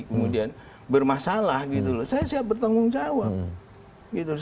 kemudian bermasalah gitu loh saya siap bertanggung jawab